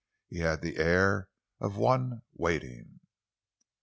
He had the air of one waiting.